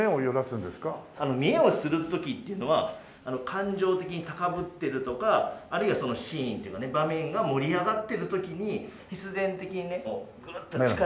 見得をする時っていうのは感情的に高ぶってるとかあるいはそのシーンというかね場面が盛り上がってる時に必然的にねグーッて力寄るとこう目が。